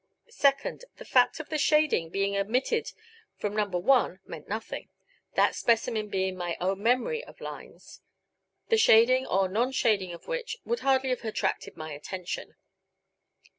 Second: The fact of the shading being omitted from No. 1 meant nothing that specimen being my own memory of lines, the shading or non shading of which would hardly have attracted my attention.